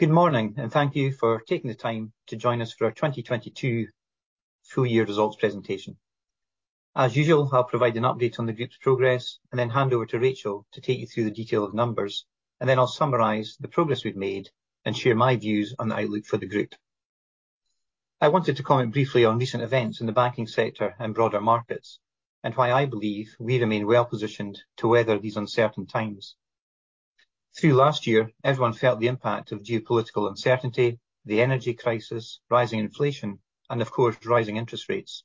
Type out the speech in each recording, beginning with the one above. Good morning. Thank you for taking the time to join us for our 2022 full year results presentation. As usual, I'll provide an update on the group's progress and then hand over to Rachel to take you through the detail of numbers, and then I'll summarize the progress we've made and share my views on the outlook for the group. I wanted to comment briefly on recent events in the banking sector and broader markets, and why I believe we remain well-positioned to weather these uncertain times. Through last year, everyone felt the impact of geopolitical uncertainty, the energy crisis, rising inflation, and of course, rising interest rates.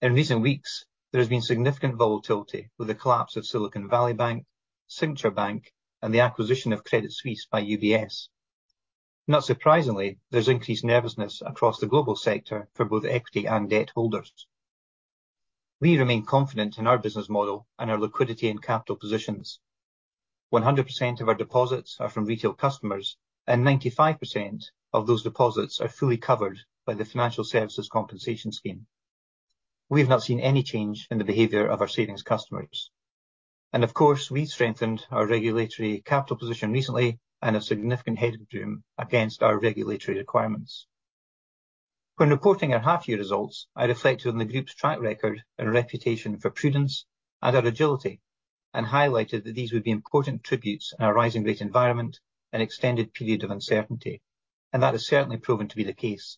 In recent weeks, there has been significant volatility with the collapse of Silicon Valley Bank, Signature Bank, and the acquisition of Credit Suisse by UBS. Not surprisingly, there's increased nervousness across the global sector for both equity and debt holders. We remain confident in our business model and our liquidity and capital positions. 100% of our deposits are from retail customers, and 95% of those deposits are fully covered by the Financial Services Compensation Scheme. We've not seen any change in the behavior of our savings customers. Of course, we strengthened our regulatory capital position recently and have significant headroom against our regulatory requirements. When reporting our half-year results, I reflected on the group's track record and reputation for prudence and our agility, and highlighted that these would be important tributes in our rising rate environment and extended period of uncertainty. That has certainly proven to be the case.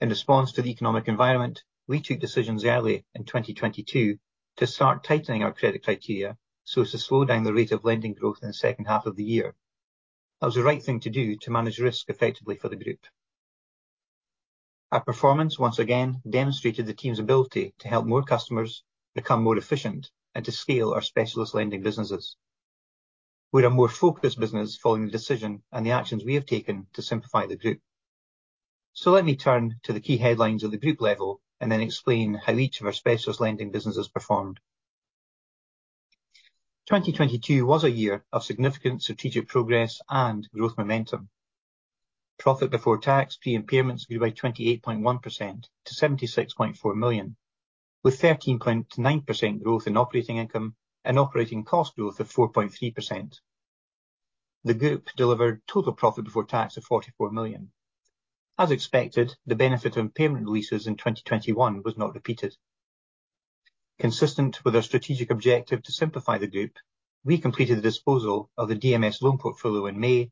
In response to the economic environment, we took decisions early in 2022 to start tightening our credit criteria so as to slow down the rate of lending growth in the second half of the year. That was the right thing to do to manage risk effectively for the group. Our performance once again demonstrated the team's ability to help more customers become more efficient and to scale our specialist lending businesses. We're a more focused business following the decision and the actions we have taken to simplify the group. Let me turn to the key headlines at the group level and then explain how each of our specialist lending businesses performed. 2022 was a year of significant strategic progress and growth momentum. Profit before tax, pre-impairments grew by 28.1% to 76.4 million, with 13.9% growth in operating income and operating cost growth of 4.3%. The group delivered total profit before tax of 44 million. As expected, the benefit of payment releases in 2021 was not repeated. Consistent with our strategic objective to simplify the group, we completed the disposal of the DMS loan portfolio in May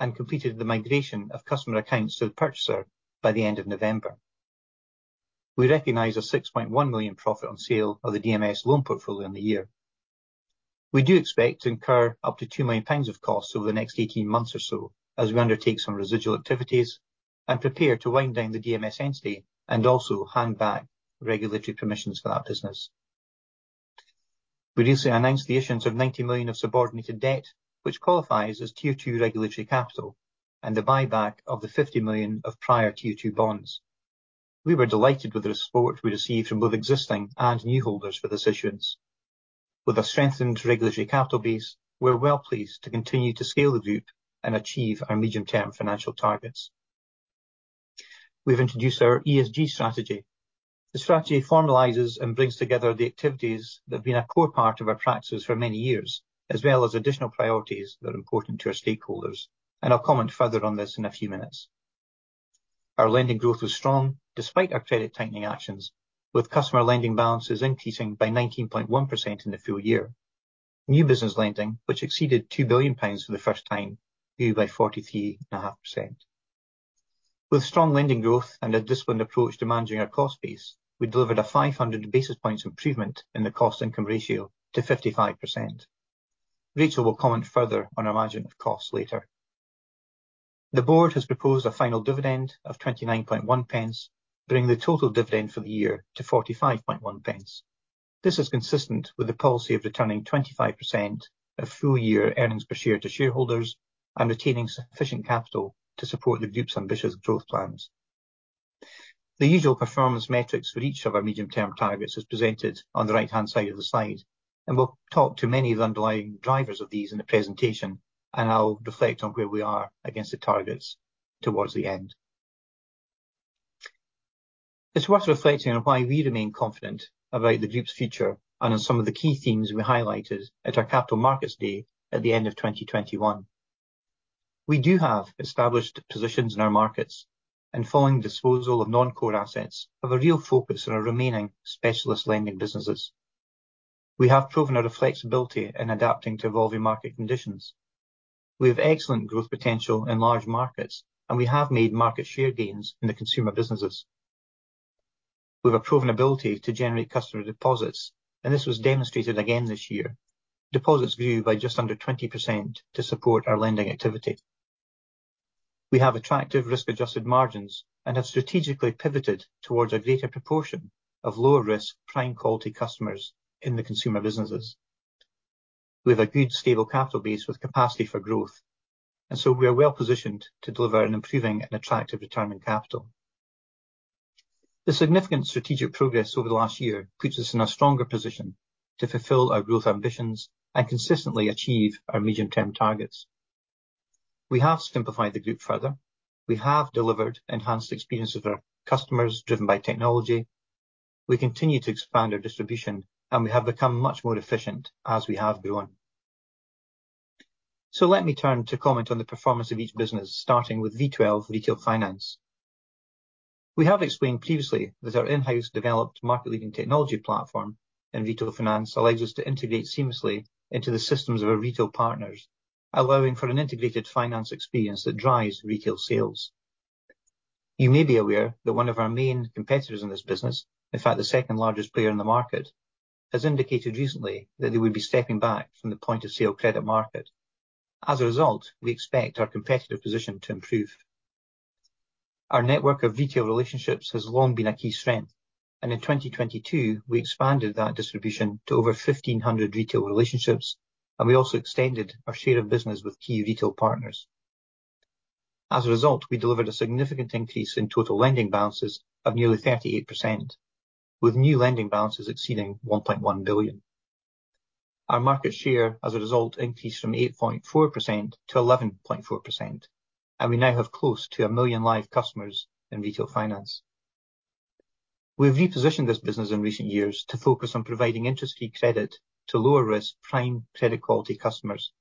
and completed the migration of customer accounts to the purchaser by the end of November. We recognize a 6.1 million profit on sale of the DMS loan portfolio in the year. We do expect to incur up to 2 million pounds of costs over the next 18 months or so as we undertake some residual activities and prepare to wind down the DMS entity and also hang back regulatory permissions for that business. We recently announced the issuance of 90 million of subordinated debt, which qualifies as Tier 2 regulatory capital and the buyback of the 50 million of prior Tier 2 bonds. We were delighted with the support we received from both existing and new holders for this issuance. With a strengthened regulatory capital base, we're well pleased to continue to scale the group and achieve our medium-term financial targets. We've introduced our ESG strategy. The strategy formalizes and brings together the activities that have been a core part of our practices for many years, as well as additional priorities that are important to our stakeholders, and I'll comment further on this in a few minutes. Our lending growth was strong despite our credit tightening actions, with customer lending balances increasing by 19.1% in the full year. New business lending, which exceeded 2 billion pounds for the first time, grew by 43.5%. With strong lending growth and a disciplined approach to managing our cost base, we delivered a 500 basis points improvement in the cost income ratio to 55%. Rachel will comment further on our management of costs later. The board has proposed a final dividend of 29.1 pence, bringing the total dividend for the year to 45.1 pence. This is consistent with the policy of returning 25% of full-year earnings per share to shareholders and retaining sufficient capital to support the group's ambitious growth plans. The usual performance metrics for each of our medium-term targets is presented on the right-hand side of the slide, and we'll talk to many of the underlying drivers of these in the presentation. I'll reflect on where we are against the targets towards the end. It's worth reflecting on why we remain confident about the group's future and on some of the key themes we highlighted at our Capital Markets Day at the end of 2021. We do have established positions in our markets and following disposal of non-core assets, have a real focus on our remaining specialist lending businesses. We have proven our flexibility in adapting to evolving market conditions. We have excellent growth potential in large markets, and we have made market share gains in the consumer businesses. We have a proven ability to generate customer deposits, and this was demonstrated again this year. Deposits grew by just under 20% to support our lending activity. We have attractive risk-adjusted margins and have strategically pivoted towards a greater proportion of lower risk, prime quality customers in the consumer businesses. We have a good stable capital base with capacity for growth, and so we are well-positioned to deliver an improving and attractive return on capital. The significant strategic progress over the last year puts us in a stronger position to fulfill our growth ambitions and consistently achieve our medium-term targets. We have simplified the group further. We have delivered enhanced experience of our customers driven by technology. We continue to expand our distribution, and we have become much more efficient as we have grown. Let me turn to comment on the performance of each business, starting with V12 Retail Finance. We have explained previously that our in-house developed market-leading technology platform in Retail Finance allows us to integrate seamlessly into the systems of our retail partners, allowing for an integrated finance experience that drives retail sales. You may be aware that one of our main competitors in this business, in fact, the second-largest player in the market, has indicated recently that they would be stepping back from the point-of-sale credit market. We expect our competitive position to improve. Our network of retail relationships has long been a key strength, and in 2022, we expanded that distribution to over 1,500 retail relationships, and we also extended our share of business with key retail partners. We delivered a significant increase in total lending balances of nearly 38%, with new lending balances exceeding 1.1 billion. Our market share, as a result, increased from 8.4% to 11.4%, and we now have close to 1 million live customers in Retail Finance. We've repositioned this business in recent years to focus on providing interest-free credit to lower risk prime credit quality customers.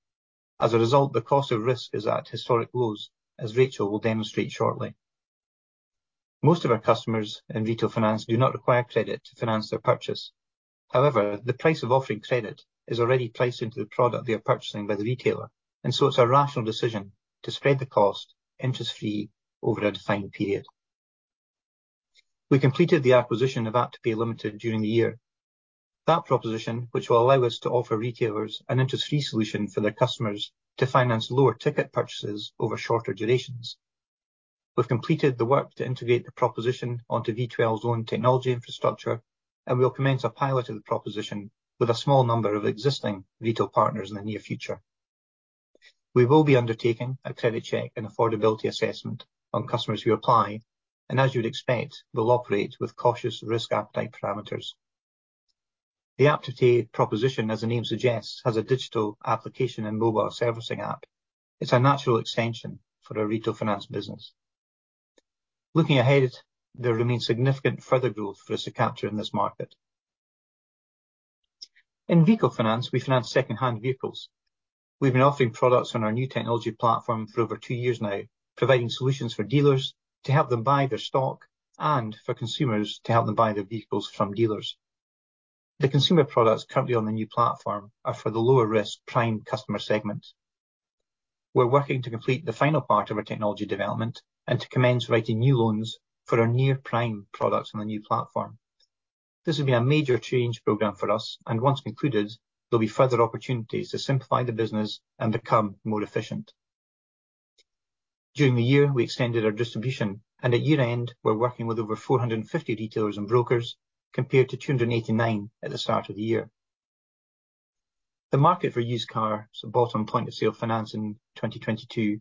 The cost of risk is at historic lows, as Rachel will demonstrate shortly. Most of our customers in Retail Finance do not require credit to finance their purchase. The price of offering credit is already priced into the product they are purchasing by the retailer, it's a rational decision to spread the cost interest-free over a defined period. We completed the acquisition of AppToPay Limited during the year. That proposition, which will allow us to offer retailers an interest-free solution for their customers to finance lower ticket purchases over shorter durations. We've completed the work to integrate the proposition onto V12's own technology infrastructure, we'll commence a pilot of the proposition with a small number of existing retail partners in the near future. We will be undertaking a credit check and affordability assessment on customers who apply, As you'd expect, will operate with cautious risk appetite parameters. The AppToPay proposition, as the name suggests, has a digital application and mobile servicing app. It's a natural extension for a Retail Finance business. Looking ahead, there remains significant further growth for us to capture in this market. In Vehicle Finance, we finance second-hand vehicles. We've been offering products on our new technology platform for over 2 years now, providing solutions for dealers to help them buy their stock and for consumers to help them buy their vehicles from dealers. The consumer products currently on the new platform are for the lower risk prime customer segment. We're working to complete the final part of our technology development and to commence writing new loans for our near-prime products on the new platform. This will be a major change program for us, and once concluded, there'll be further opportunities to simplify the business and become more efficient. During the year, we extended our distribution. At year-end, we're working with over 450 retailers and brokers, compared to 289 at the start of the year. The market for used cars and bottom point-of-sale finance in 2022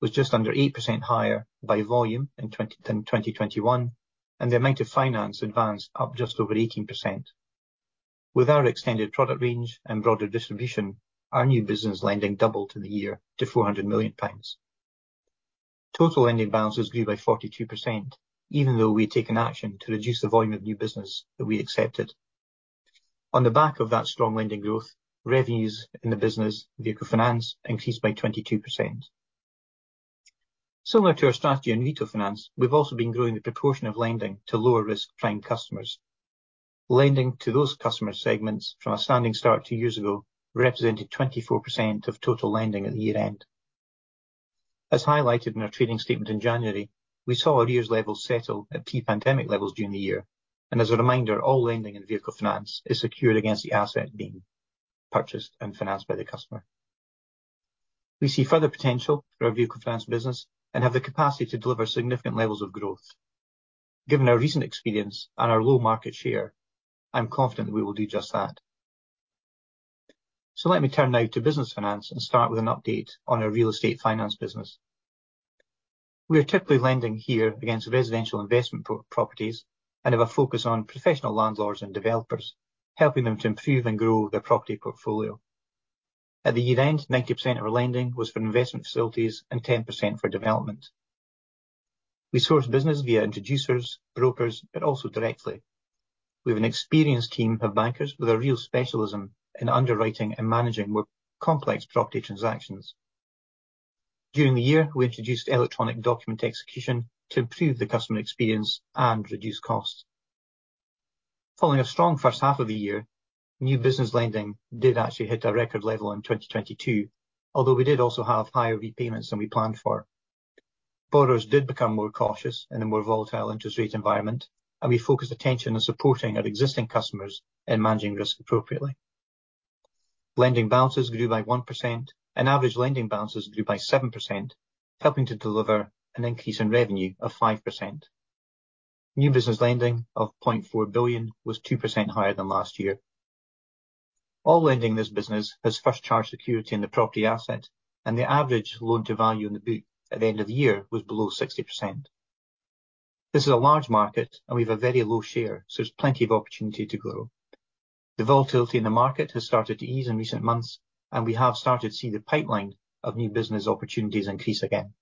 was just under 8% higher by volume in 2021. The amount of finance advanced up just over 18%. With our extended product range and broader distribution, our new business lending doubled in the year to 400 million pounds. Total lending balances grew by 42%, even though we had taken action to reduce the volume of new business that we accepted. On the back of that strong lending growth, revenues in the business, Vehicle Finance, increased by 22%. Similar to our strategy in Retail Finance, we've also been growing the proportion of lending to lower risk prime customers. Lending to those customer segments from a standing start 2 years ago represented 24% of total lending at the year-end. As highlighted in our trading statement in January, we saw arrears levels settle at pre-pandemic levels during the year. As a reminder, all lending in Vehicle Finance is secured against the asset being purchased and financed by the customer. We see further potential for our Vehicle Finance business and have the capacity to deliver significant levels of growth. Given our recent experience and our low market share, I'm confident we will do just that. Let me turn now to Business Finance and start with an update on our real estate finance business. We are typically lending here against residential investment pro-properties and have a focus on professional landlords and developers, helping them to improve and grow their property portfolio. At the year-end, 90% of our lending was for investment facilities and 10% for development. Also directly. We have an experienced team of bankers with a real specialism in underwriting and managing more complex property transactions. During the year, we introduced electronic document execution to improve the customer experience and reduce costs. Following a strong first half of the year, new business lending did actually hit a record level in 2022, although we did also have higher repayments than we planned for. Borrowers did become more cautious in a more volatile interest rate environment. We focused attention on supporting our existing customers in managing risk appropriately. Lending balances grew by 1%, average lending balances grew by 7%, helping to deliver an increase in revenue of 5%. New business lending of 0.4 billion was 2% higher than last year. All lending in this business has first charge security in the property asset, the average loan-to-value in the book at the end of the year was below 60%. This is a large market, we have a very low share, there's plenty of opportunity to grow. The volatility in the market has started to ease in recent months, we have started to see the pipeline of new business opportunities increase again.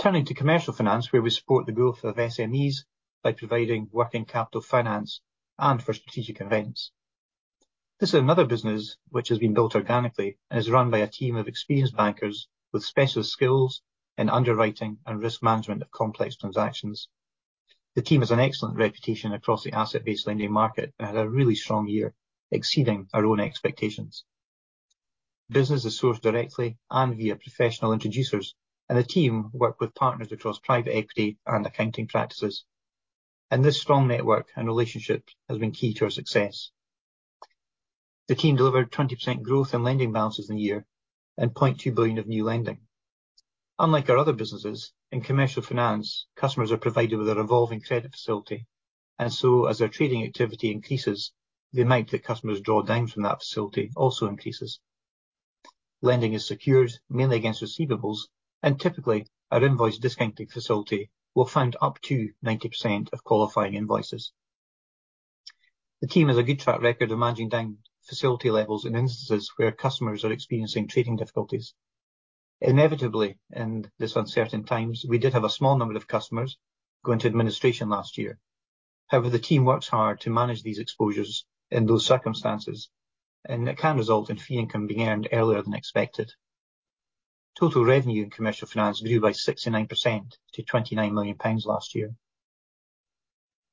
Turning to commercial finance, where we support the growth of SMEs by providing working capital finance and for strategic events. This is another business which has been built organically and is run by a team of experienced bankers with specialist skills in underwriting and risk management of complex transactions. The team has an excellent reputation across the asset-based lending market and had a really strong year, exceeding our own expectations. Business is sourced directly and via professional introducers, and the team work with partners across private equity and accounting practices. This strong network and relationship has been key to our success. The team delivered 20% growth in lending balances in the year and 0.2 billion of new lending. Unlike our other businesses, in commercial finance, customers are provided with a revolving credit facility. As their trading activity increases, the amount that customers draw down from that facility also increases. Lending is secured mainly against receivables, and typically, our invoice discounting facility will fund up to 90% of qualifying invoices. The team has a good track record of managing down facility levels in instances where customers are experiencing trading difficulties. Inevitably, in this uncertain times, we did have a small number of customers go into administration last year. The team works hard to manage these exposures in those circumstances, and it can result in fee income being earned earlier than expected. Total revenue in commercial finance grew by 69% to 29 million pounds last year.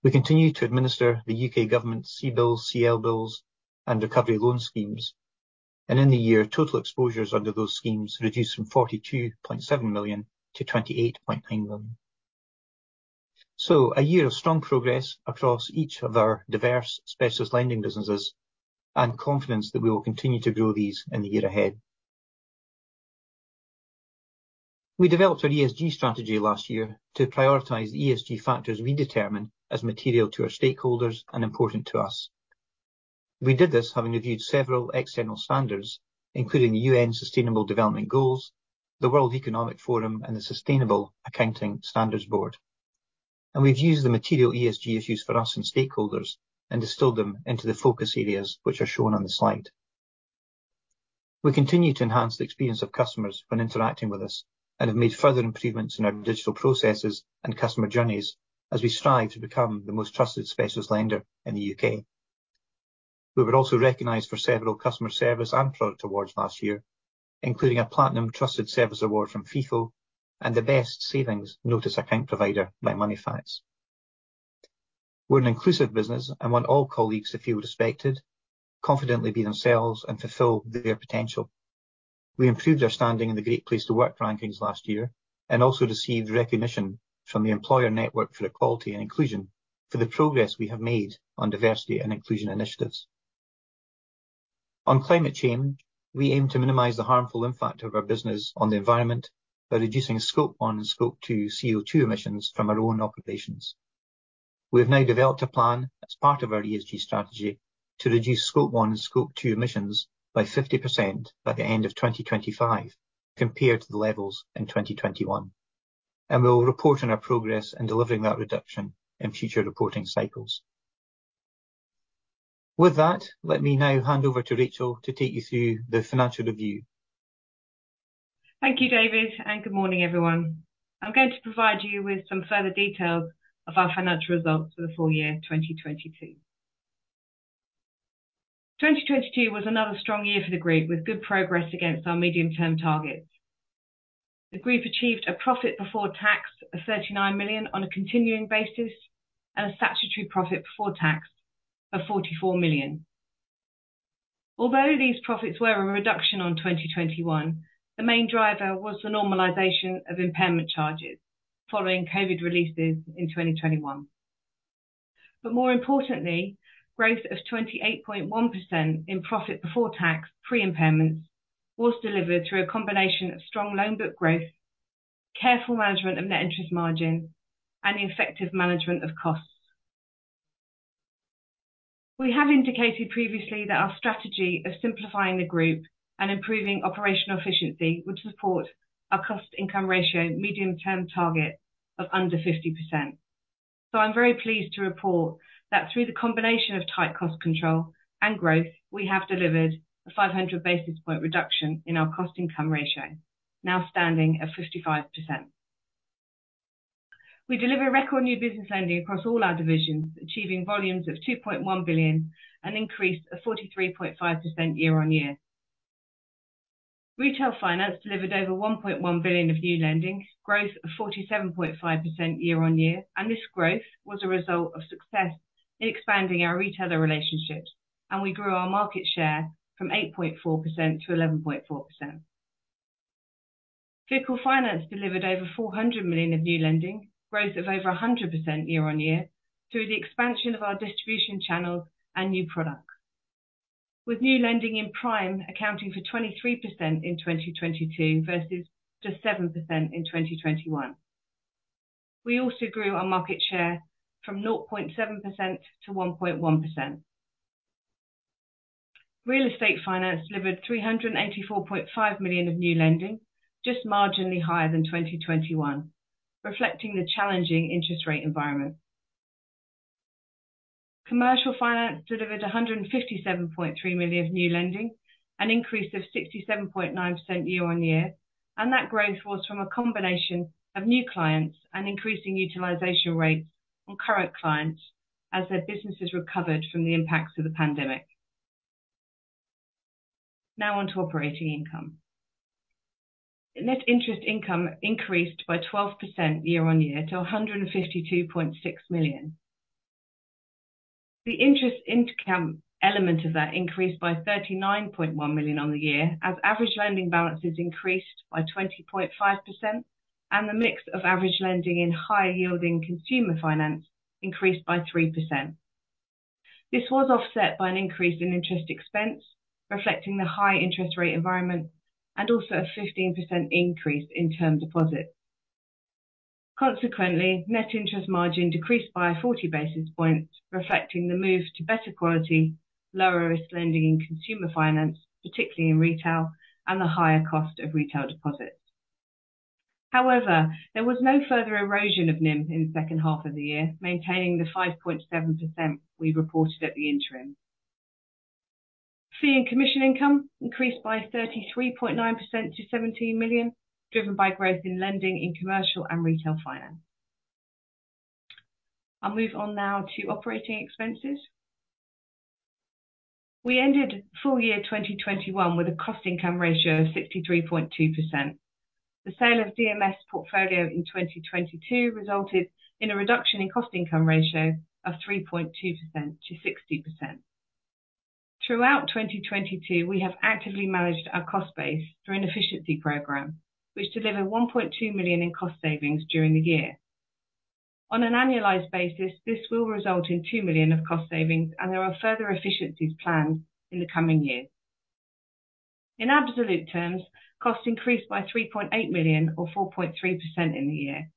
We continue to administer the UK government CBILS, CLBILS and recovery loan schemes, and in the year, total exposures under those schemes reduced from 42.7 million to 28.9 million. A year of strong progress across each of our diverse specialist lending businesses and confidence that we will continue to grow these in the year ahead. We developed our ESG strategy last year to prioritize the ESG factors we determine as material to our stakeholders and important to us. We did this having reviewed several external standards, including the UN Sustainable Development Goals, the World Economic Forum, and the Sustainability Accounting Standards Board. We've used the material ESG issues for us and stakeholders and distilled them into the focus areas which are shown on the slide. We continue to enhance the experience of customers when interacting with us and have made further improvements in our digital processes and customer journeys as we strive to become the most trusted specialist lender in the UK. We were also recognized for several customer service and product awards last year, including a Platinum Trusted Service Award from Feefo and the best savings notice account provider by Moneyfacts. We're an inclusive business and want all colleagues to feel respected, confidently be themselves, and fulfill their potential. We improved our standing in the Great Place to Work rankings last year and also received recognition from the Employers Network for Equality & Inclusion for the progress we have made on diversity and inclusion initiatives. On climate change, we aim to minimize the harmful impact of our business on the environment by reducing Scope 1 and Scope 2 CO2 emissions from our own operations. We have now developed a plan as part of our ESG strategy to reduce Scope 1 and Scope 2 emissions by 50% by the end of 2025 compared to the levels in 2021. We will report on our progress in delivering that reduction in future reporting cycles. With that, let me now hand over to Rachel to take you through the financial review. Thank you, David, and good morning, everyone. I'm going to provide you with some further details of our financial results for the full year 2022. 2022 was another strong year for the group with good progress against our medium-term targets. The group achieved a profit before tax of 39 million on a continuing basis and a statutory profit before tax of 44 million. Although these profits were a reduction on 2021, the main driver was the normalization of impairment charges following COVID releases in 2021. More importantly, growth of 28.1% in profit before tax pre-impairments was delivered through a combination of strong loan book growth, careful management of net interest margin, and the effective management of costs. We have indicated previously that our strategy of simplifying the group and improving operational efficiency would support our cost income ratio medium-term target of under 50%. I'm very pleased to report that through the combination of tight cost control and growth, we have delivered a 500 basis point reduction in our cost income ratio, now standing at 55%. We delivered record new business lending across all our divisions, achieving volumes of 2.1 billion, an increase of 43.5% year-on-year. Retail Finance delivered over 1.1 billion of new lending, growth of 47.5% year-on-year, and this growth was a result of success in expanding our retailer relationships, and we grew our market share from 8.4% to 11.4%. Vehicle finance delivered over 400 million of new lending, growth of over 100% year-on-year through the expansion of our distribution channels and new products. With new lending in prime accounting for 23% in 2022 versus just 7% in 2021. We also grew our market share from 0.7% to 1.1%. Real estate finance delivered 384.5 million of new lending, just marginally higher than 2021, reflecting the challenging interest rate environment. Commercial finance delivered 157.3 million of new lending, an increase of 67.9% year-on-year. That growth was from a combination of new clients and increasing utilization rates on current clients as their businesses recovered from the impacts of the pandemic. Now on to operating income. Net interest income increased by 12% year-on-year to 152.6 million. The interest income element of that increased by 39.1 million on the year as average lending balances increased by 20.5% and the mix of average lending in higher yielding consumer finance increased by 3%. This was offset by an increase in interest expense, reflecting the high interest rate environment and also a 15% increase in term deposits. Consequently, net interest margin decreased by 40 basis points, reflecting the move to better quality, lower risk lending in consumer finance, particularly in retail, and the higher cost of retail deposits. However, there was no further erosion of NIM in the second half of the year, maintaining the 5.7% we reported at the interim. Fee and commission income increased by 33.9% to 17 million, driven by growth in lending in commercial and retail finance. I'll move on now to operating expenses. We ended full year 2021 with a cost income ratio of 63.2%. The sale of DMS portfolio in 2022 resulted in a reduction in cost income ratio of 3.2% to 60%. Throughout 2022, we have actively managed our cost base through an efficiency program, which delivered 1.2 million in cost savings during the year. On an annualized basis, this will result in 2 million of cost savings, and there are further efficiencies planned in the coming year. In absolute terms, costs increased by 3.8 million or 4.3% in the year.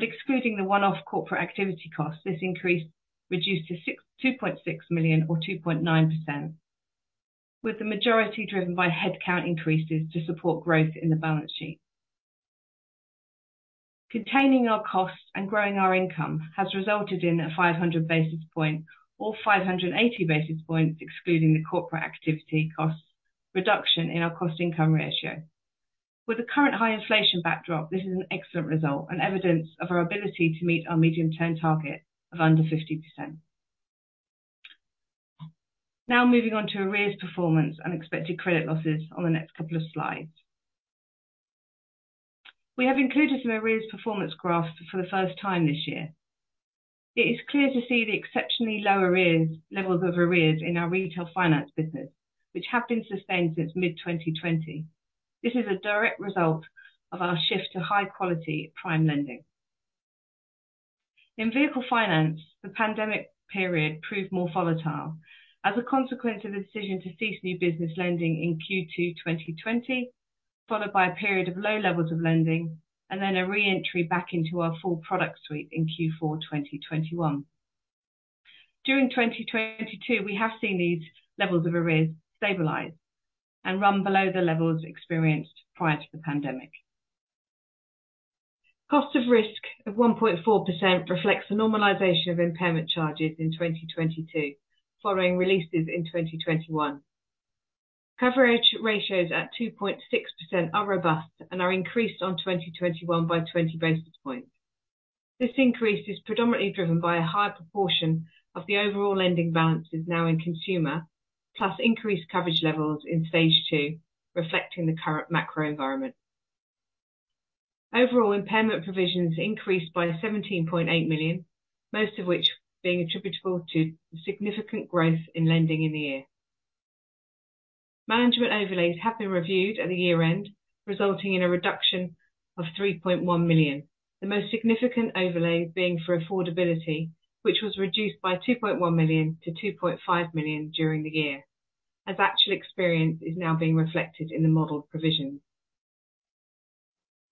Excluding the one-off corporate activity cost, this increase reduced to six... 2.6 million or 2.9%, with the majority driven by headcount increases to support growth in the balance sheet. Containing our costs and growing our income has resulted in a 500 basis point or 580 basis points excluding the corporate activity costs reduction in our cost income ratio. With the current high inflation backdrop, this is an excellent result and evidence of our ability to meet our medium-term target of under 50%. Moving on to arrears performance and expected credit losses on the next couple of slides. We have included some arrears performance graphs for the first time this year. It is clear to see the exceptionally low arrears, levels of arrears in our retail finance business, which have been sustained since mid-2020. This is a direct result of our shift to high-quality prime lending. In vehicle finance, the pandemic period proved more volatile as a consequence of the decision to cease new business lending in Q2 2020, followed by a period of low levels of lending and then a re-entry back into our full product suite in Q4 2021. During 2022, we have seen these levels of arrears stabilize and run below the levels experienced prior to the pandemic. Cost of risk of 1.4% reflects the normalization of impairment charges in 2022 following releases in 2021. Coverage ratios at 2.6% are robust and are increased on 2021 by 20 basis points. This increase is predominantly driven by a higher proportion of the overall lending balances now in consumer, plus increased coverage levels in stage two, reflecting the current macro environment. Overall impairment provisions increased by 17.8 million, most of which being attributable to significant growth in lending in the year. Management overlays have been reviewed at the year-end, resulting in a reduction of 3.1 million, the most significant overlay being for affordability, which was reduced by 2.1 million to 2.5 million during the year as actual experience is now being reflected in the modeled provisions.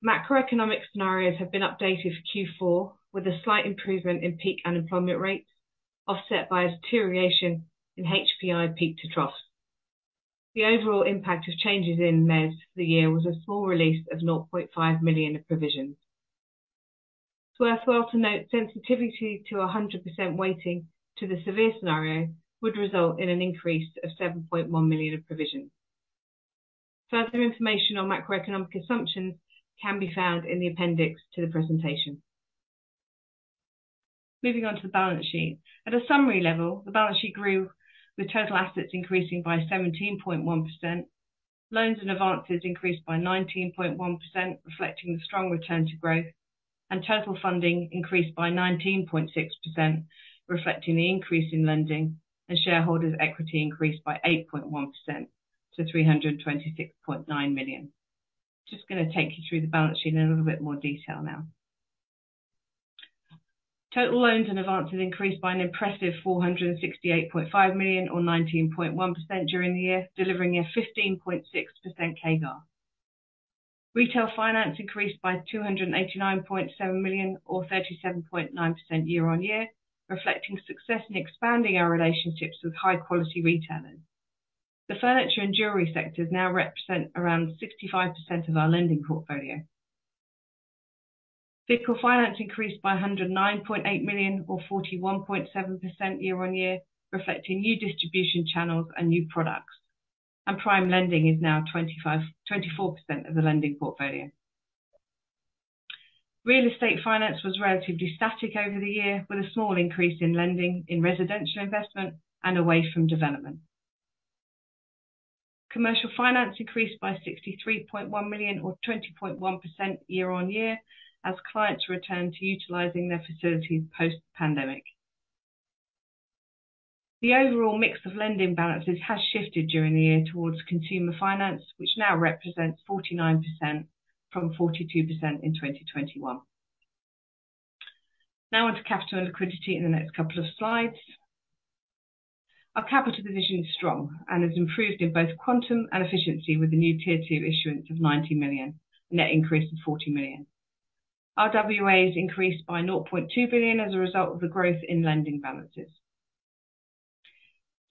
Macroeconomic scenarios have been updated for Q4, with a slight improvement in peak unemployment rates, offset by a deterioration in HPI peak to trough. The overall impact of changes in MES for the year was a small release of 0.5 million of provisions. It's worthwhile to note sensitivity to 100% weighting to the severe scenario would result in an increase of 7.1 million of provisions. Further information on macroeconomic assumptions can be found in the appendix to the presentation. Moving on to the balance sheet. At a summary level, the balance sheet grew with total assets increasing by 17.1%. Loans and advances increased by 19.1%, reflecting the strong return to growth, and total funding increased by 19.6%, reflecting the increase in lending, and shareholders equity increased by 8.1% to 326.9 million. Just going to take you through the balance sheet in a little bit more detail now. Total loans and advances increased by an impressive 468.5 million or 19.1% during the year, delivering a 15.6% CAGR. Retail finance increased by 289.7 million or 37.9% year-on-year, reflecting success in expanding our relationships with high quality retailers. The furniture and jewelry sectors now represent around 65% of our lending portfolio. Vehicle finance increased by 109.8 million or 41.7% year-on-year, reflecting new distribution channels and new products, and prime lending is now 24% of the lending portfolio. Real estate finance was relatively static over the year, with a small increase in lending in residential investment and away from development. Commercial finance increased by 63.1 million or 20.1% year-on-year as clients returned to utilizing their facilities post-pandemic. The overall mix of lending balances has shifted during the year towards consumer finance, which now represents 49% from 42% in 2021. On to capital and liquidity in the next couple of slides. Our capital position is strong and has improved in both quantum and efficiency with the new Tier 2 issuance of 90 million, net increase of 40 million. RWAs increased by 0.2 billion as a result of the growth in lending balances.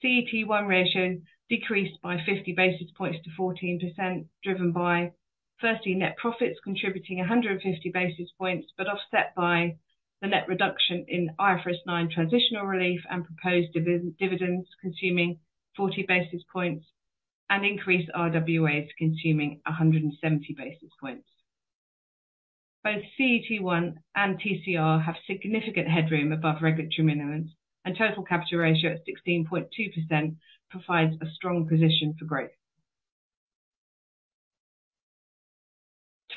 CET1 ratio decreased by 50 basis points to 14%, driven by, firstly, net profits contributing 150 basis points, but offset by the net reduction in IFRS 9 transitional relief and proposed dividends consuming 40 basis points and increased RWAs consuming 170 basis points. Both CET1 and TCR have significant headroom above regulatory minimums, and total capital ratio at 16.2% provides a strong position for growth.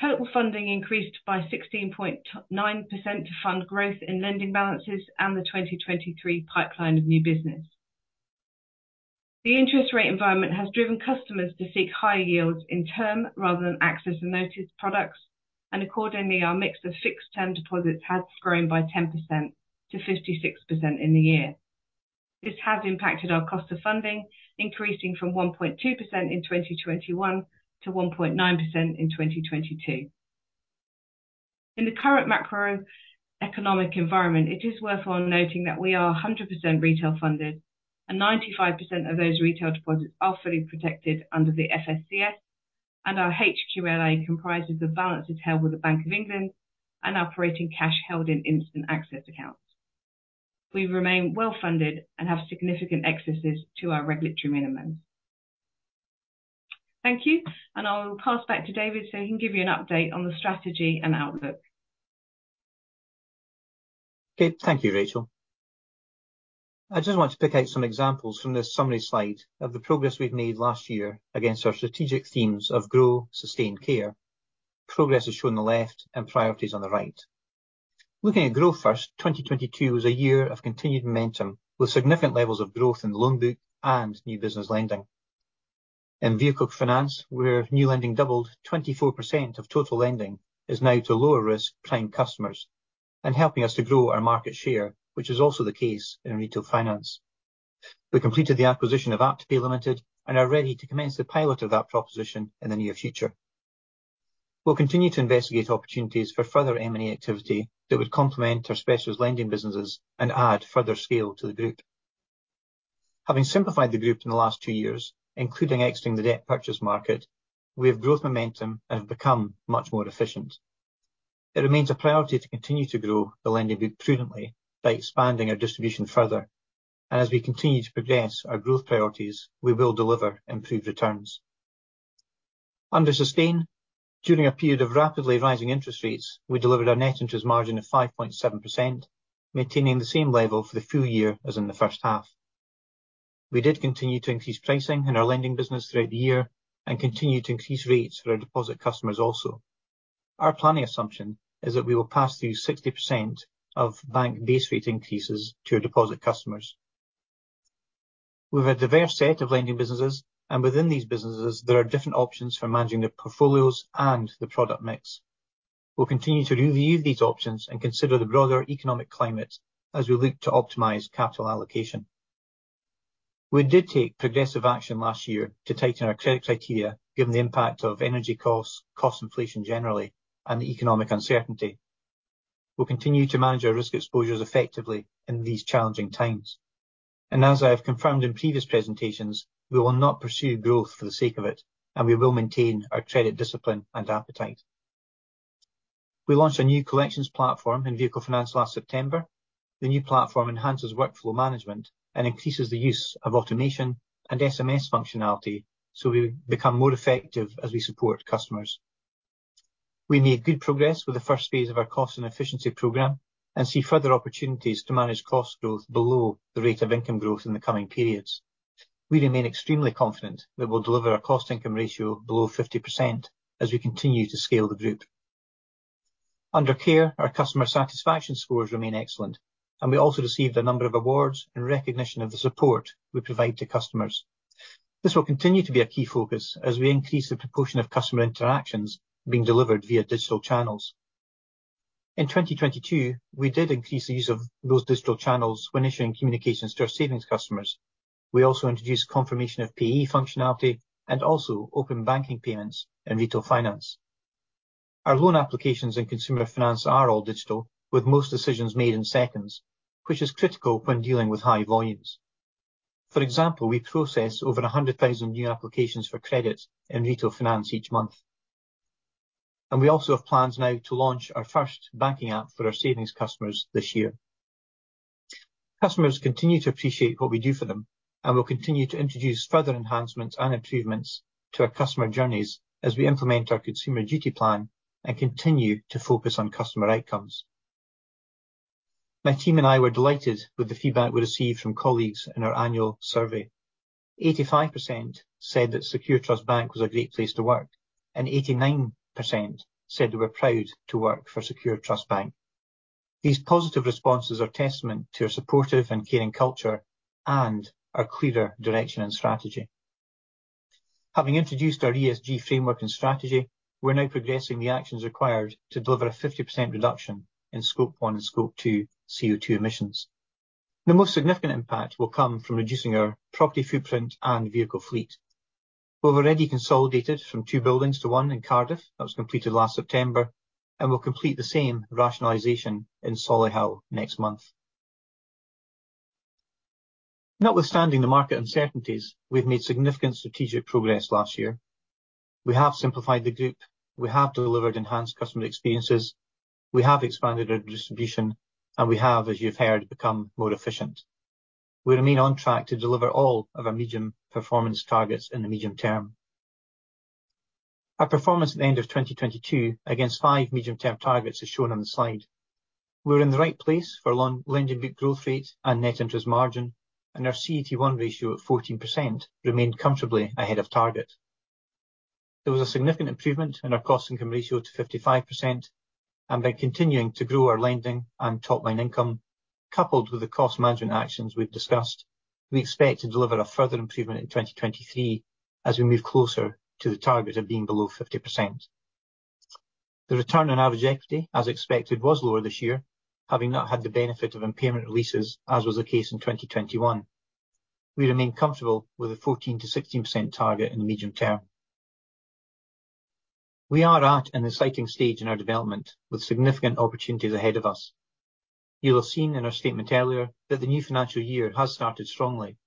Total funding increased by 16.9% to fund growth in lending balances and the 2023 pipeline of new business. The interest rate environment has driven customers to seek higher yields in term rather than access and notice products, and accordingly, our mix of fixed-term deposits has grown by 10% to 56% in the year. This has impacted our cost of funding, increasing from 1.2% in 2021 to 1.9% in 2022. In the current macroeconomic environment, it is worth noting that we are 100% retail funded and 95% of those retail deposits are fully protected under the FSCS, and our HQLA comprises of balances held with the Bank of England and operating cash held in instant access accounts. We remain well-funded and have significant excesses to our regulatory minimums. Thank you. I'll pass back to David so he can give you an update on the strategy and outlook. Thank you, Rachel. I just want to pick out some examples from this summary slide of the progress we've made last year against our strategic themes of Grow, Sustain, Care. Progress is shown on the left and priorities on the right. Looking at growth first, 2022 was a year of continued momentum with significant levels of growth in the loan book and new business lending. In vehicle finance, where new lending doubled, 24% of total lending is now to lower-risk prime customers and helping us to grow our market share, which is also the case in retail finance. We completed the acquisition of AppToPay Limited and are ready to commence the pilot of that proposition in the near future. We'll continue to investigate opportunities for further M&A activity that would complement our specialist lending businesses and add further scale to the group. Having simplified the group in the last two years, including exiting the debt purchase market, we have growth momentum and have become much more efficient. As we continue to progress our growth priorities, we will deliver improved returns. Under sustain, during a period of rapidly rising interest rates, we delivered a net interest margin of 5.7%, maintaining the same level for the full year as in the first half. We did continue to increase pricing in our lending business throughout the year and continued to increase rates for our deposit customers also. Our planning assumption is that we will pass through 60% of bank base rate increases to our deposit customers. We have a diverse set of lending businesses, and within these businesses there are different options for managing their portfolios and the product mix. We'll continue to review these options and consider the broader economic climate as we look to optimize capital allocation. We did take progressive action last year to tighten our credit criteria, given the impact of energy costs, cost inflation generally, and the economic uncertainty. We'll continue to manage our risk exposures effectively in these challenging times. As I have confirmed in previous presentations, we will not pursue growth for the sake of it, and we will maintain our credit discipline and appetite. We launched a new collections platform in vehicle finance last September. The new platform enhances workflow management and increases the use of automation and SMS functionality, so we become more effective as we support customers. We made good progress with the first phase of our cost and efficiency program. We see further opportunities to manage cost growth below the rate of income growth in the coming periods. We remain extremely confident that we'll deliver our cost income ratio below 50% as we continue to scale the group. Under care, our customer satisfaction scores remain excellent. We also received a number of awards in recognition of the support we provide to customers. This will continue to be a key focus as we increase the proportion of customer interactions being delivered via digital channels. In 2022, we did increase the use of those digital channels when issuing communications to our savings customers. We also introduced Confirmation of Payee functionality and also Open Banking payments in retail finance. Our loan applications in consumer finance are all digital, with most decisions made in seconds, which is critical when dealing with high volumes. For example, we process over 100,000 new applications for credit in retail finance each month. We also have plans now to launch our first banking app for our savings customers this year. Customers continue to appreciate what we do for them, and we'll continue to introduce further enhancements and improvements to our customer journeys as we implement our Consumer Duty plan and continue to focus on customer outcomes. My team and I were delighted with the feedback we received from colleagues in our annual survey. 85% said that Secure Trust Bank was a Great Place to Work, and 89% said they were proud to work for Secure Trust Bank. These positive responses are testament to our supportive and caring culture and our clearer direction and strategy. Having introduced our ESG framework and strategy, we're now progressing the actions required to deliver a 50% reduction in Scope 1 and Scope 2 CO2 emissions. The most significant impact will come from reducing our property footprint and vehicle fleet. We've already consolidated from two buildings to one in Cardiff. That was completed last September, and we'll complete the same rationalization in Solihull next month. Notwithstanding the market uncertainties, we've made significant strategic progress last year. We have simplified the group. We have delivered enhanced customer experiences. We have expanded our distribution. We have, as you've heard, become more efficient. We remain on track to deliver all of our medium performance targets in the medium term. Our performance at the end of 2022 against five medium-term targets is shown on the slide. We were in the right place for loan lending growth rate and net interest margin, and our CET1 ratio at 14% remained comfortably ahead of target. There was a significant improvement in our cost income ratio to 55% and by continuing to grow our lending and top-line income coupled with the cost management actions we've discussed, we expect to deliver a further improvement in 2023 as we move closer to the target of being below 50%. The ROE, as expected, was lower this year, having not had the benefit of impairment releases, as was the case in 2021. We remain comfortable with a 14%-16% target in the medium term. We are at an exciting stage in our development with significant opportunities ahead of us. You'll have seen in our statement earlier that the new financial year has started strongly,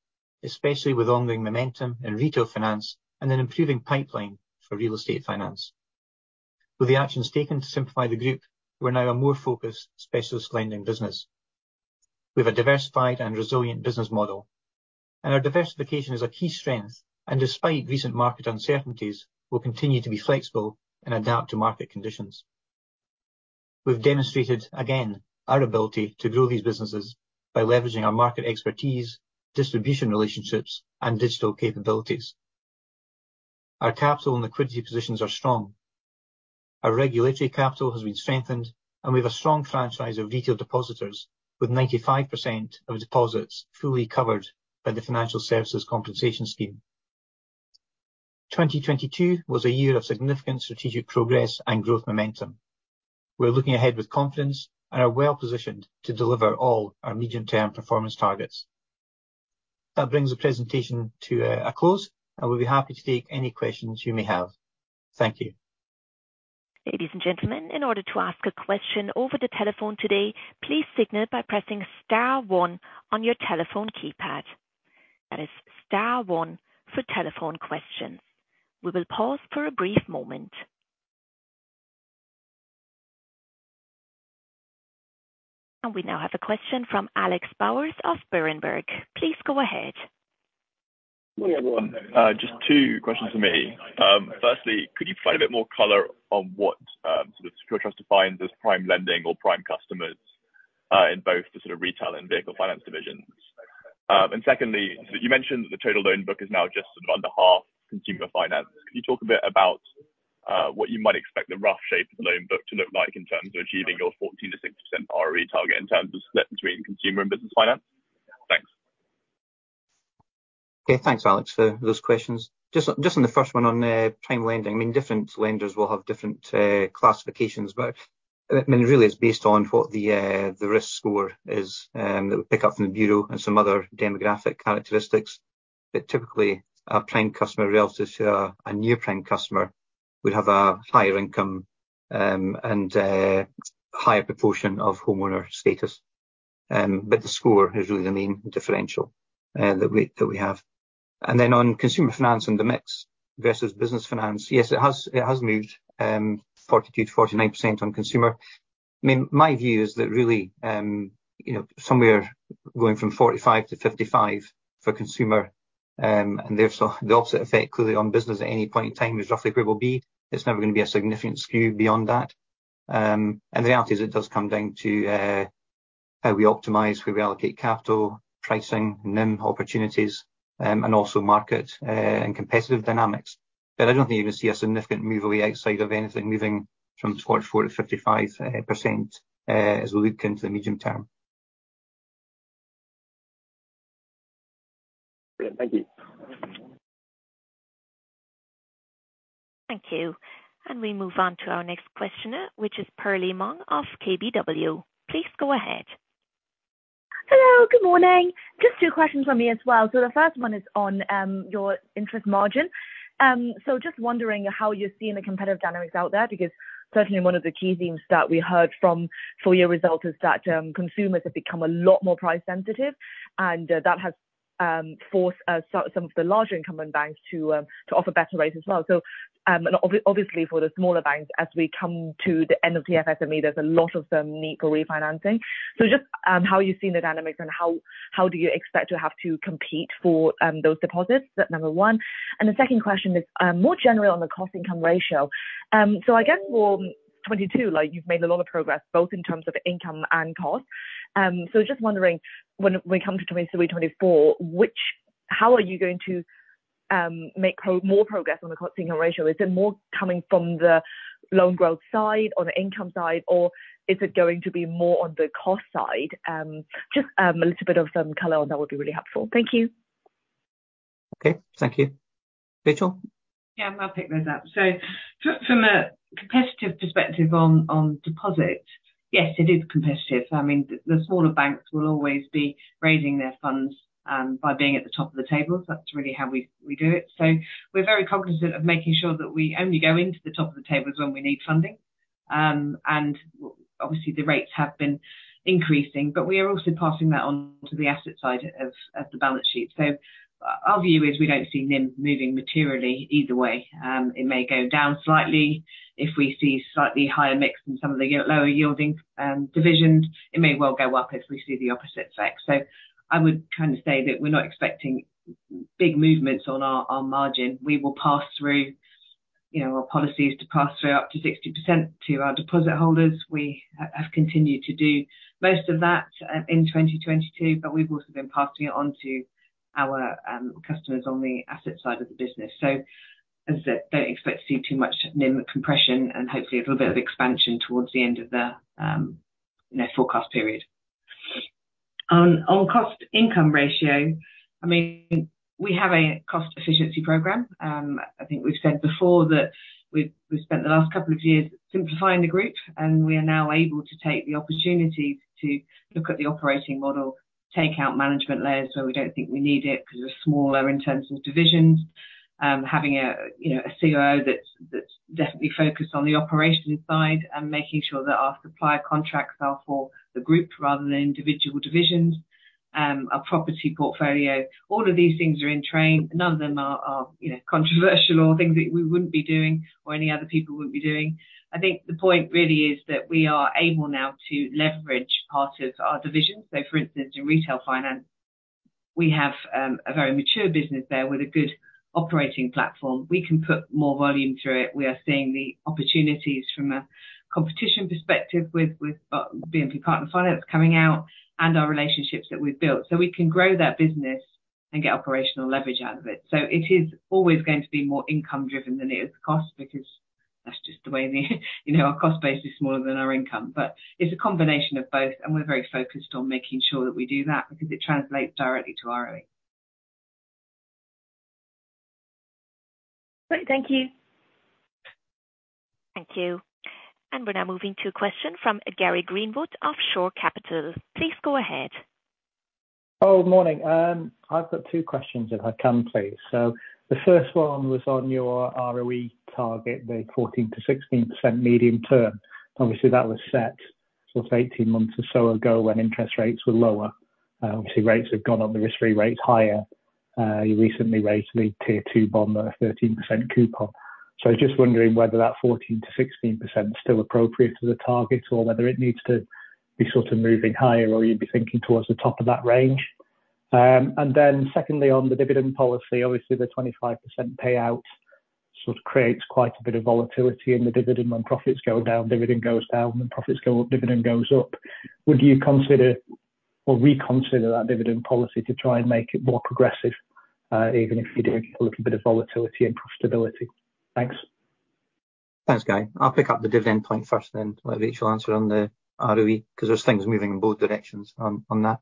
especially with ongoing momentum in retail finance and an improving pipeline for real estate finance. With the actions taken to simplify the group, we're now a more focused specialist lending business. We have a diversified and resilient business model, our diversification is a key strength. Despite recent market uncertainties, we'll continue to be flexible and adapt to market conditions. We've demonstrated, again, our ability to grow these businesses by leveraging our market expertise, distribution, relationships, and digital capabilities. Our capital and liquidity positions are strong. Our regulatory capital has been strengthened, and we have a strong franchise of retail depositors with 95% of deposits fully covered by the Financial Services Compensation Scheme. 2022 was a year of significant strategic progress and growth momentum. We're looking ahead with confidence and are well-positioned to deliver all our medium-term performance targets. That brings the presentation to a close. We'll be happy to take any questions you may have. Thank you. Ladies and gentlemen, in order to ask a question over the telephone today, please signal by pressing star one on your telephone keypad. That is star one for telephone questions. We will pause for a brief moment. We now have a question from Alexander Bowers of Berenberg. Please go ahead. Morning, everyone. Just two questions from me. Firstly, could you provide a bit more color on what sort of Secure Trust defines as prime lending or prime customers in both the sort of retail and vehicle finance divisions? Secondly, you mentioned the total loan book is now just sort of under half consumer finance. Can you talk a bit about what you might expect the rough shape of the loan book to look like in terms of achieving your 14%-16% ROE target in terms of split between consumer and business finance? Thanks. Okay. Thanks, Alex, for those questions. Just on the first one on prime lending, I mean, different lenders will have different classifications, but, I mean, really it's based on what the risk score is that we pick up from the bureau and some other demographic characteristics. Typically, our prime customer relative to a near prime customer would have a higher income and a higher proportion of homeowner status. The score is really the main differential that we have. On consumer finance and the mix versus business finance, yes, it has moved 42%-49% on consumer. I mean, my view is that really, you know, somewhere going from 45% to 55% for consumer, and therefore the opposite effect clearly on business at any point in time is roughly where we'll be. It's never gonna be a significant skew beyond that. The reality is it does come down to how we optimize, where we allocate capital, pricing, NIM opportunities, and also market and competitive dynamics. I don't think you're gonna see a significant move away outside of anything moving from 44% to 55% as we look into the medium term. Brilliant. Thank you. Thank you. We move on to our next questioner, which is Perlie Mong of KBW. Please go ahead. Hello. Good morning. Just two questions from me as well. The first one is on your interest margin. Just wondering how you're seeing the competitive dynamics out there because certainly one of the key themes that we heard from full year results is that consumers have become a lot more price sensitive, and that has force some of the larger incumbent banks to offer better rates as well. And obviously for the smaller banks, as we come to the end of the TFSME, there's a lot of them need for refinancing. Just how are you seeing the dynamics, and how do you expect to have to compete for those deposits? That's number one. The second question is more general on the cost-income ratio. I guess for 2022, like, you've made a lot of progress both in terms of income and cost. Just wondering when we come to 2023, 2024, how are you going to make more progress on the cost-income ratio? Is it more coming from the loan growth side or the income side, or is it going to be more on the cost side? Just a little bit of color on that would be really helpful. Thank you. Okay, thank you. Rachel? Yeah, I'll pick those up. From a competitive perspective on deposits, yes, it is competitive. I mean, the smaller banks will always be raising their funds by being at the top of the table. That's really how we do it. We're very cognizant of making sure that we only go into the top of the tables when we need funding. Obviously the rates have been increasing, but we are also passing that on to the asset side of the balance sheet. Our view is we don't see NIM moving materially either way. It may go down slightly if we see slightly higher mix in some of the lower yielding divisions. It may well go up if we see the opposite effect. I would kind of say that we're not expecting big movements on our margin. We will pass through, you know, our policies to pass through up to 60% to our deposit holders. We have continued to do most of that in 2022, but we've also been passing it on to our customers on the asset side of the business. As I said, don't expect to see too much NIM compression and hopefully a little bit of expansion towards the end of the, you know, forecast period. Cost-income ratio, I mean, we have a cost efficiency program. I think we've said before that we've spent the last couple of years simplifying the group, and we are now able to take the opportunity to look at the operating model, take out management layers where we don't think we need it because we're smaller in terms of divisions. Having a, you know, a COO that's definitely focused on the operations side and making sure that our supplier contracts are for the group rather than individual divisions, our property portfolio. All of these things are in train. None of them are, you know, controversial or things that we wouldn't be doing or any other people wouldn't be doing. I think the point really is that we are able now to leverage parts of our division. For instance, in retail finance, we have a very mature business there with a good operating platform. We can put more volume through it. We are seeing the opportunities from a competition perspective with BNP Paribas Personal Finance coming out and our relationships that we've built. We can grow that business and get operational leverage out of it. It is always going to be more income driven than it is the cost because that's just the way the you know, our cost base is smaller than our income. It's a combination of both, and we're very focused on making sure that we do that because it translates directly to ROE. Great. Thank you. Thank you. We're now moving to a question from Gary Greenwood, Shore Capital. Please go ahead. Morning. I've got two questions if I can please. The first one was on your ROE target, the 14%-16% medium term. Obviously, that was set sort of 18 months or so ago when interest rates were lower. Obviously rates have gone on the risk-free rate higher. You recently raised the Tier 2 bond at a 13% coupon. I was just wondering whether that 14%-16% is still appropriate to the target or whether it needs to be sort of moving higher or you'd be thinking towards the top of that range. Secondly, on the dividend policy, obviously the 25% payout sort of creates quite a bit of volatility in the dividend. When profits go down, dividend goes down. When profits go up, dividend goes up. Would you consider or reconsider that dividend policy to try and make it more progressive, even if you do get a little bit of volatility and profitability? Thanks. Thanks, Gary. I'll pick up the dividend point first, then let Rachel answer on the ROE because there's things moving in both directions on that.